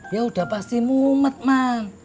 yaudah pasti mumet man